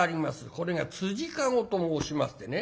これが辻駕籠と申しましてね